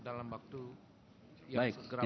dalam waktu yang segera